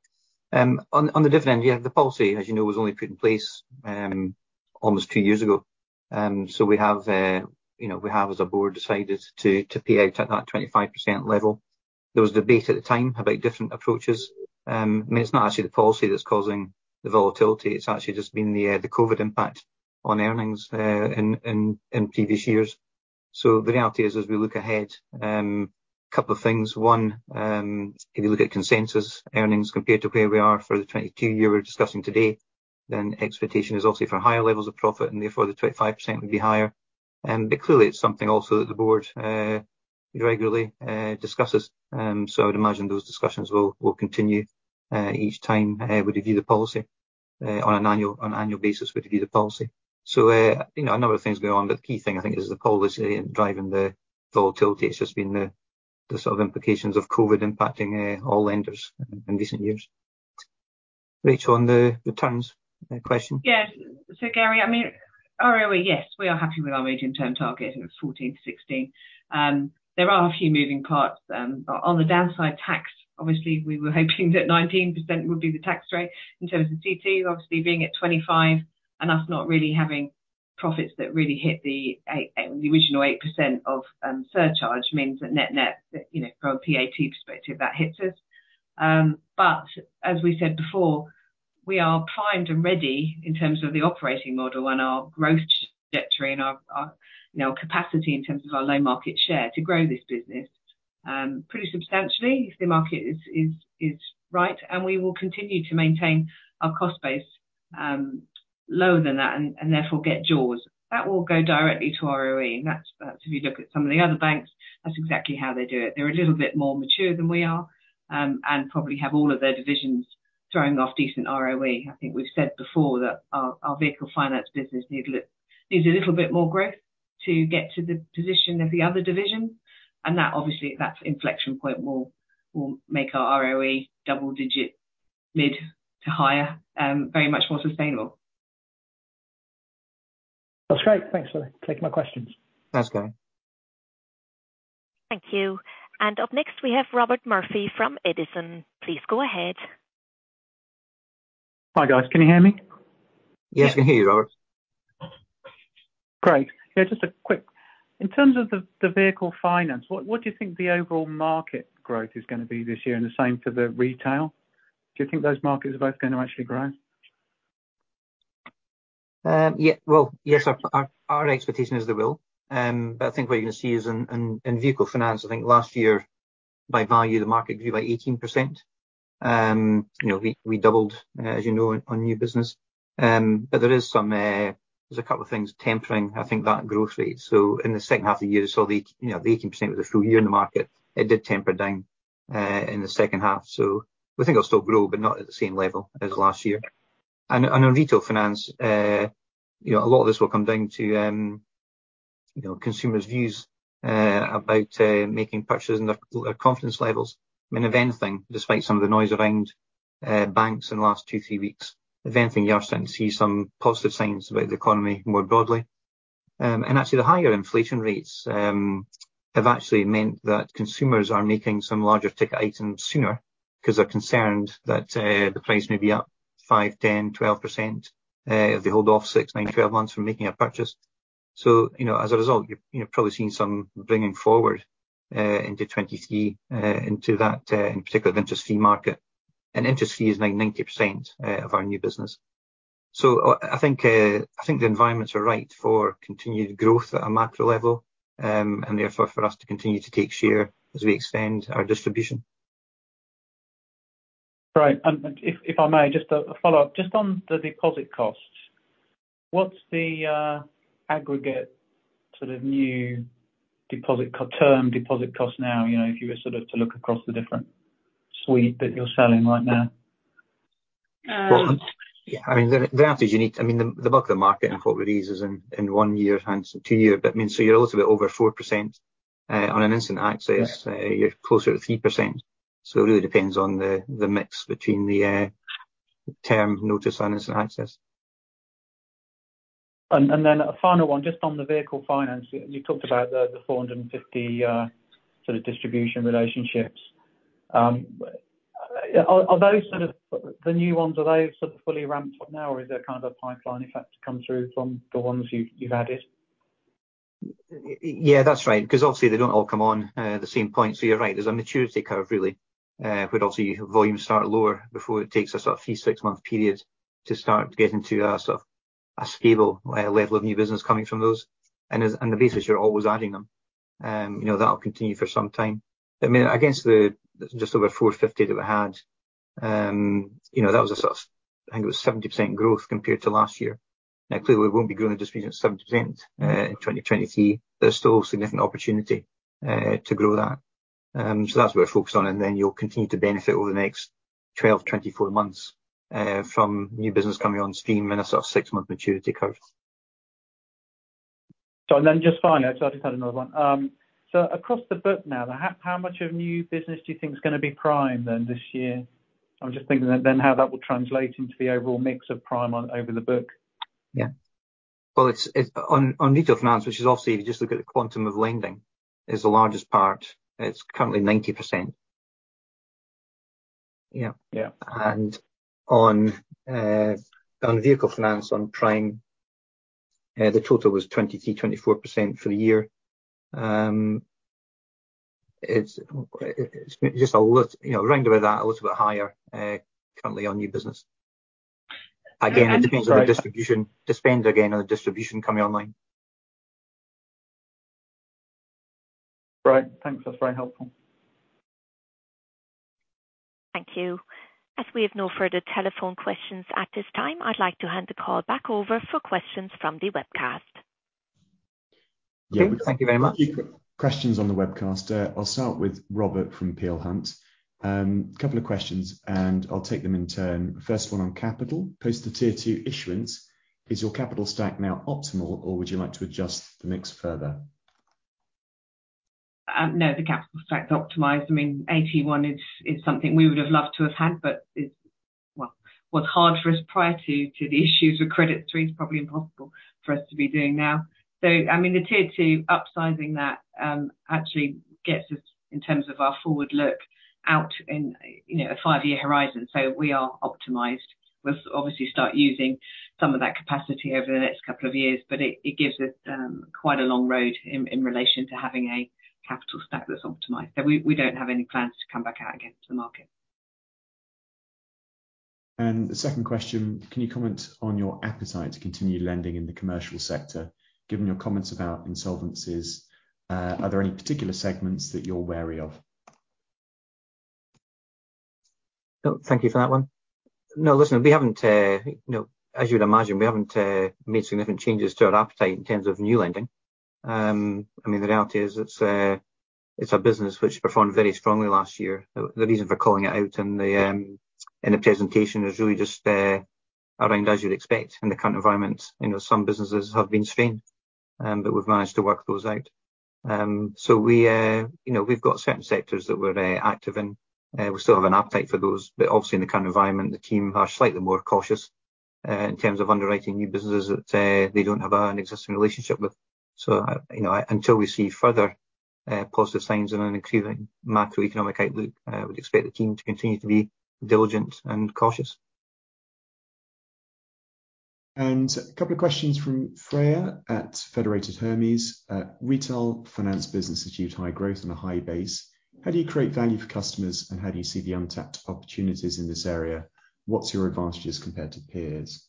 On the dividend, yeah, the policy, as you know, was only put in place almost 2 years ago. We have, you know, we have, as a board, decided to pay out at that 25% level. There was debate at the time about different approaches. I mean, it's not actually the policy that's causing the volatility. It's actually just been the COVID impact on earnings in previous years. The reality is as we look ahead, couple of things. One, if you look at consensus earnings compared to where we are for the 2022 year we're discussing today, expectation is obviously for higher levels of profit and therefore the 25% would be higher. Clearly it's something also that the board regularly discusses. I would imagine those discussions will continue each time we review the policy on an annual basis we review the policy. You know, a number of things going on, but the key thing I think is the policy driving the volatility. It's just been the sort of implications of COVID impacting all lenders in recent years. Rachel, on the returns question. Yes. Gary, I mean, ROE, yes, we are happy with our medium-term target of 14%-16%. There are a few moving parts. On the downside tax, obviously we were hoping that 19% would be the tax rate. In terms of CT, obviously being at 25% and us not really having profits that really hit the original 8% of surcharge means that net-net, you know, from a PAT perspective, that hits us. As we said before, we are primed and ready in terms of the operating model and our growth trajectory and our, you know, capacity in terms of our low market share to grow this business pretty substantially if the market is, is right, and we will continue to maintain our cost base lower than that and therefore get jaws. That will go directly to our ROE. That's if you look at some of the other banks, that's exactly how they do it. They're a little bit more mature than we are, and probably have all of their divisions throwing off decent ROE. I think we've said before that our vehicle finance business needs a little bit more growth to get to the position of the other divisions, and that obviously, that inflection point will make our ROE double-digit mid to higher, very much more sustainable. That's great. Thanks for taking my questions. Thanks, Garry. Thank you. Up next, we have Robert Murphy from Edison. Please go ahead. Hi, guys. Can you hear me? Yes. Yes, can hear you, Robert. Great. Yeah, just a quick. In terms of the vehicle finance, what do you think the overall market growth is gonna be this year and the same for the retail? Do you think those markets are both gonna actually grow? Yeah. Well, yes, our expectation is they will. I think what you're gonna see is in vehicle finance, I think last year by value, the market grew by 18%. You know, we doubled, as you know, on new business. There is some, there's a couple of things tempering, I think, that growth rate. In the second half of the year, so you know, the 18% was a full year in the market. It did temper down, in the second half. We think it'll still grow, but not at the same level as last year. On retail finance, you know, a lot of this will come down to, you know, consumers' views, about, making purchases and their confidence levels. I mean, if anything, despite some of the noise around banks in the last 2, 3 weeks, if anything, you are starting to see some positive signs about the economy more broadly. Actually the higher inflation rates have actually meant that consumers are making some larger ticket items sooner 'cause they're concerned that the price may be up 5%, 10%, 12% if they hold off 6, 9, 12 months from making a purchase. You're, you know, probably seeing some bringing forward into 2023 into that in particular the interest-free market. Interest-free is now 90% of our new business. I think the environments are right for continued growth at a macro level, and therefore for us to continue to take share as we extend our distribution. Right. If I may, just a follow-up. Just on the deposit costs, what's the aggregate to the new term deposit, deposit cost now? You know, if you were sort of to look across the different suite that you're selling right now. Um- Well, yeah, I mean, the average you need. I mean, the bulk of the market and what we raise is in one year and two year. I mean, you're a little bit over 4% on an instant access. Yeah. You're closer to 3%. It really depends on the mix between the term notice on instant access. A final one just on the vehicle finance. You talked about the 450 sort of distribution relationships. Are those sort of the new ones, are they sort of fully ramped up now or is there kind of a pipeline effect to come through from the ones you've added? Yeah, that's right. 'Cause obviously they don't all come on the same point, you're right. There's a maturity curve really, where obviously your volumes start lower before it takes a sort of three, six-month period to start getting to a sort of a stable level of new business coming from those. As on the basis you're always adding them, you know, that'll continue for some time. I mean, against the just over 450 that we had, you know, that was a sort of, I think it was 70% growth compared to last year. Clearly we won't be growing at this rate at 70% in 2023. There's still significant opportunity to grow that. That's what we're focused on, and then you'll continue to benefit over the next 12, 24 months, from new business coming on stream in a sort of 6-month maturity curve. Just finally, I just had another one. Across the book now, how much of new business do you think is gonna be prime then this year? I'm just thinking then how that will translate into the overall mix of prime on over the book. Yeah. Well, it's on retail finance which is obviously if you just look at the quantum of lending is the largest part, it's currently 90%. Yeah. Yeah. On vehicle finance on prime, the total was 23%-24% for the year. It's just a little, you know, round about that, a little bit higher, currently on new business. It depends on the distribution. Just the last- Depends again on the distribution coming online. Right. Thanks. That's very helpful. Thank you. As we have no further telephone questions at this time, I'd like to hand the call back over for questions from the webcast. Okay. Thank you very much. A few questions on the webcast. I'll start with Robert from Peel Hunt. A couple of questions, and I'll take them in turn. First one on capital. Post the Tier 2 issuance, is your capital stack now optimal, or would you like to adjust the mix further? No, the capital stack's optimized. I mean, AT1 is something we would have loved to have had, but it was hard for us prior to the issues with Credit Suisse is probably impossible for us to be doing now. I mean, the Tier 2 upsizing that actually gets us in terms of our forward look out in, you know, a 5-year horizon. We are optimized. We'll obviously start using some of that capacity over the next couple of years, but it gives us quite a long road in relation to having a capital stack that's optimized. We don't have any plans to come back out again to the market. The second question, can you comment on your appetite to continue lending in the commercial sector, given your comments about insolvencies, are there any particular segments that you're wary of? Oh, thank you for that one. Listen, we haven't, you know, as you would imagine, we haven't made significant changes to our appetite in terms of new lending. I mean, the reality is it's a business which performed very strongly last year. The reason for calling it out in the in the presentation is really just around, as you'd expect in the current environment. You know, some businesses have been strained, but we've managed to work those out. We, you know, we've got certain sectors that we're active in. We still have an appetite for those, but obviously in the current environment, the team are slightly more cautious in terms of underwriting new businesses that they don't have an existing relationship with. you know, until we see further positive signs and an improving macroeconomic outlook, we'd expect the team to continue to be diligent and cautious. A couple of questions from Freya at Federated Hermes. Retail finance business achieved high growth on a high base. How do you create value for customers, and how do you see the untapped opportunities in this area? What's your advantages compared to peers?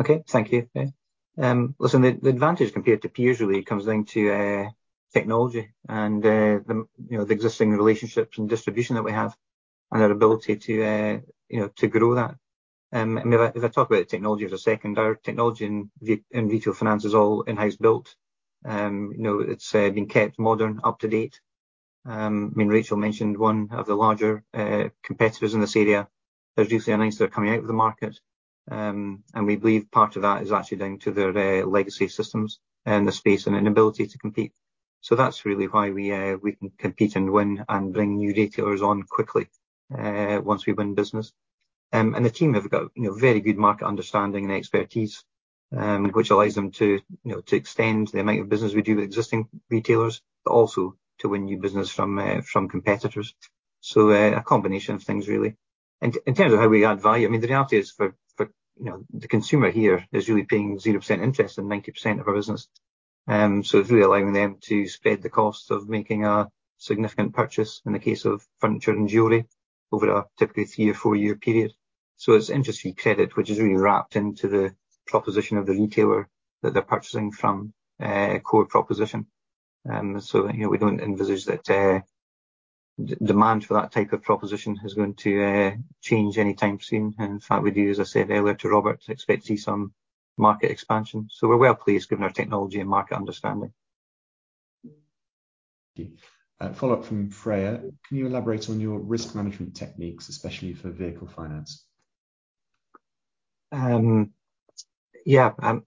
Okay, thank you. Listen, the advantage compared to peers really comes down to technology and the, you know, the existing relationships and distribution that we have and our ability to, you know, to grow that. I mean, if I talk about the technology as a secondary, technology in retail finance is all in-house built. You know, it's been kept modern, up to date. I mean, Rachel mentioned one of the larger competitors in this area has recently announced they're coming out of the market. We believe part of that is actually down to their legacy systems and the space and inability to compete. That's really why we can compete and win and bring new retailers on quickly, once we win business. The team have got, you know, very good market understanding and expertise, which allows them to, you know, to extend the amount of business we do with existing retailers, but also to win new business from competitors. A combination of things really. In terms of how we add value, I mean, the reality is for, you know, the consumer here is really paying 0% interest in 90% of our business. It's really allowing them to spread the cost of making a significant purchase in the case of furniture and jewelry over a typically three or four-year period. It's interest-free credit, which is really wrapped into the proposition of the retailer that they're purchasing from, core proposition. You know, we don't envisage that demand for that type of proposition is going to change any time soon. In fact, we do, as I said earlier to Robert, expect to see some market expansion. We're well placed given our technology and market understanding. Thank you. Follow-up from Freya. Can you elaborate on your risk management techniques, especially for vehicle finance? I mean, in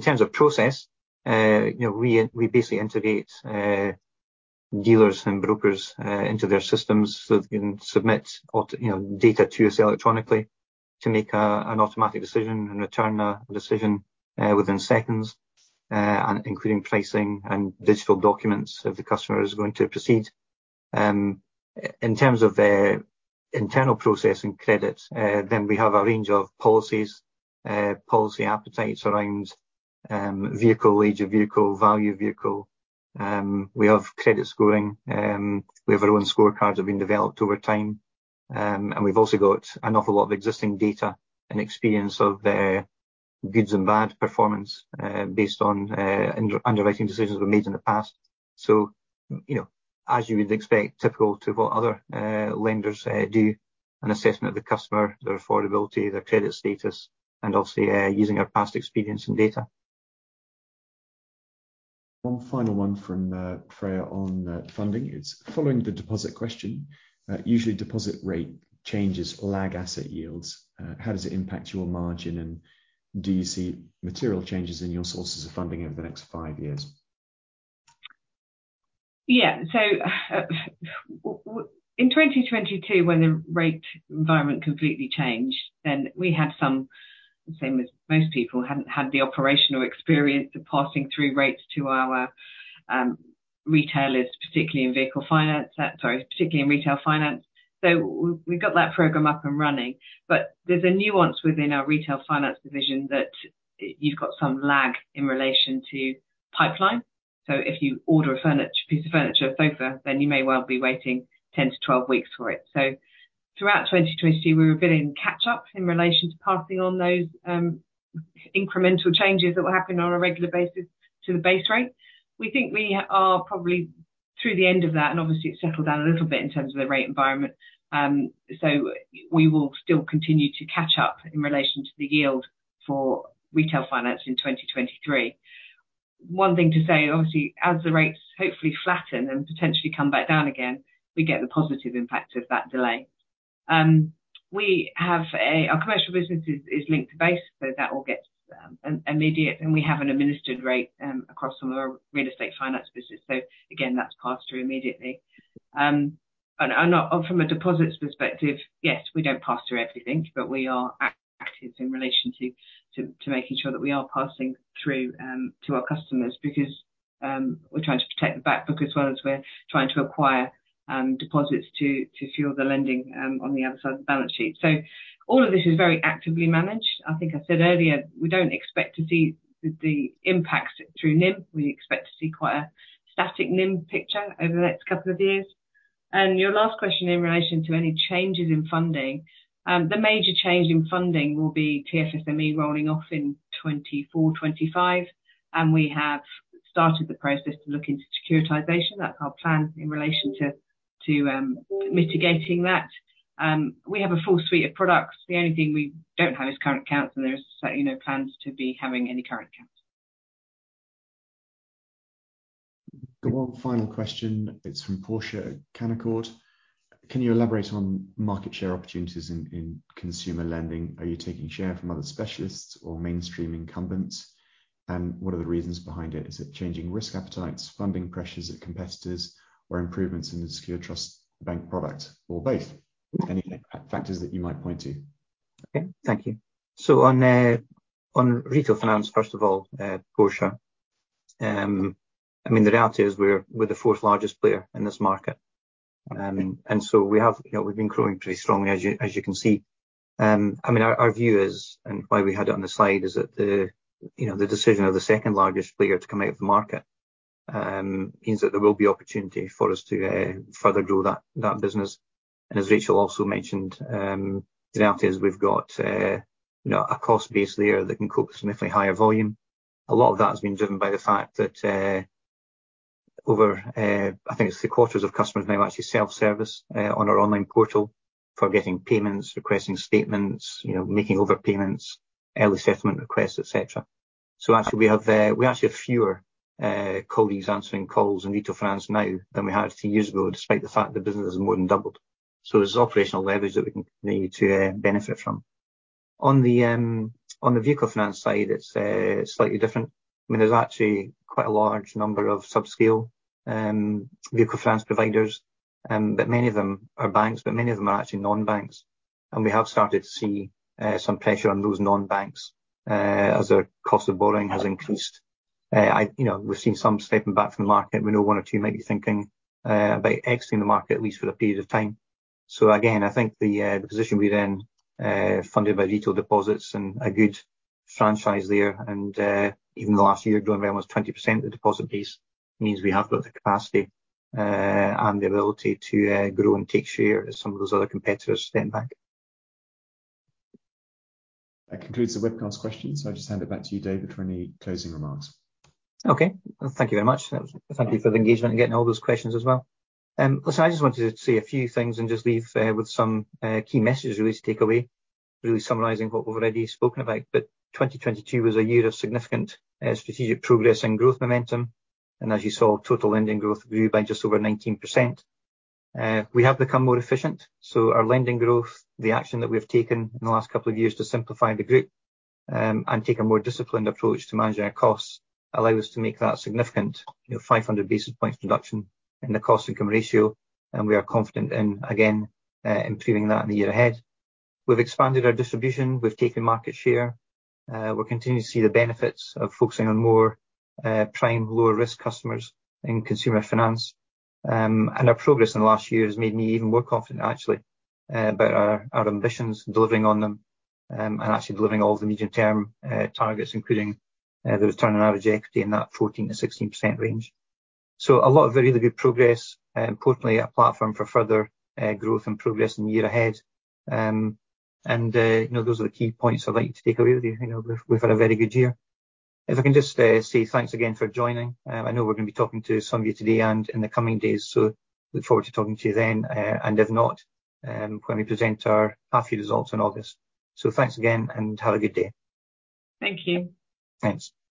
terms of process, we basically integrate dealers and brokers into their systems so they can submit auto data to us electronically to make an automatic decision and return a decision within seconds, including pricing and digital documents if the customer is going to proceed. In terms of the internal process and credits, then we have a range of policies, policy appetites around vehicle, age of vehicle, value of vehicle. We have credit scoring. We have our own scorecards have been developed over time. We've also got an awful lot of existing data and experience of goods and bad performance based on underwriting decisions were made in the past. You know, as you would expect, typical to what other lenders do, an assessment of the customer, their affordability, their credit status, and obviously, using our past experience and data. One final one from Freya on funding. It's following the deposit question. Usually deposit rate changes lag asset yields. How does it impact your margin, and do you see material changes in your sources of funding over the next 5 years? In 2022, when the rate environment completely changed, we had some, the same as most people, hadn't had the operational experience of passing through rates to our retailers, particularly in vehicle finance. Sorry, particularly in retail finance. We got that program up and running. There's a nuance within our retail finance division that you've got some lag in relation to pipeline. If you order a furniture, piece of furniture sofa, you may well be waiting 10-12 weeks for it. Throughout 2020, we were a bit in catch up in relation to passing on those incremental changes that were happening on a regular basis to the base rate. We think we are probably through the end of that. Obviously it's settled down a little bit in terms of the rate environment. We will still continue to catch up in relation to the yield for retail finance in 2023. One thing to say, obviously, as the rates hopefully flatten and potentially come back down again, we get the positive impact of that delay. Our commercial business is linked to base, so that will get an immediate, and we have an administered rate across some of our real estate finance business. Again, that's passed through immediately. From a deposits perspective, yes, we don't pass through everything, but we are active in relation to making sure that we are passing through to our customers because we're trying to protect the back book as well as we're trying to acquire deposits to fuel the lending on the other side of the balance sheet. All of this is very actively managed. I think I said earlier, we don't expect to see the impacts through NIM. We expect to see quite a static NIM picture over the next couple of years. Your last question in relation to any changes in funding, the major change in funding will be TFSME rolling off in 2024, 2025, and we have started the process to look into securitization. That's our plan in relation to mitigating that. We have a full suite of products. The only thing we don't have is current accounts, and there's no plans to be having any current accounts. Got one final question, it's from Portia at Canaccord. Can you elaborate on market share opportunities in consumer lending? Are you taking share from other specialists or mainstream incumbents? What are the reasons behind it? Is it changing risk appetites, funding pressures of competitors, or improvements in the Secure Trust Bank product? Both? Any factors that you might point to. Okay, thank you. On retail finance, first of all, Portia, I mean, the reality is we're the fourth largest player in this market. We have, you know, we've been growing pretty strongly as you, as you can see. I mean, our view is, and why we had it on the slide, is that, you know, the decision of the second-largest player to come out of the market, means that there will be opportunity for us to further grow that business. As Rachel also mentioned, the reality is we've got, you know, a cost base there that can cope with significantly higher volume. A lot of that has been driven by the fact that, over, I think it's three-quarters of customers now actually self-service on our online portal for getting payments, requesting statements, you know, making overpayments, early settlement requests, et cetera. Actually we actually have fewer colleagues answering calls in retail finance now than we had two years ago, despite the fact the business has more than doubled. There's operational leverage that we can continue to benefit from. On the vehicle finance side, it's slightly different. I mean, there's actually quite a large number of sub-scale vehicle finance providers, but many of them are banks, but many of them are actually non-banks. We have started to see some pressure on those non-banks as their cost of borrowing has increased. I, you know, we've seen some stepping back from the market. We know one or two might be thinking about exiting the market, at least for a period of time. Again, I think the position we're in, funded by retail deposits and a good franchise there and, even the last year growing by almost 20% of the deposit base, means we have got the capacity and the ability to grow and take share as some of those other competitors stand back. That concludes the webcast questions, so I just hand it back to you, David, for any closing remarks. Okay. Thank you very much. Thank you for the engagement and getting all those questions as well. Listen, I just wanted to say a few things and just leave with some key messages really to take away, really summarizing what we've already spoken about. 2022 was a year of significant strategic progress and growth momentum. As you saw, total lending growth grew by just over 19%. We have become more efficient, so our lending growth, the action that we've taken in the last couple of years to simplify the group and take a more disciplined approach to managing our costs, allow us to make that significant, you know, 500 basis points reduction in the cost-income ratio, and we are confident in, again, improving that in the year ahead. We've expanded our distribution. We've taken market share. We're continuing to see the benefits of focusing on more prime, lower risk customers in consumer finance. Our progress in the last year has made me even more confident actually about our ambitions, delivering on them, and actually delivering all the medium-term targets, including the return on average equity in that 14%-16% range. A lot of really good progress, importantly, a platform for further growth and progress in the year ahead. You know, those are the key points I'd like you to take away with you. You know, we've had a very good year. If I can just say thanks again for joining. I know we're going to be talking to some of you today and in the coming days, so look forward to talking to you then. If not, when we present our half-year results in August. Thanks again, and have a good day. Thank you. Thanks.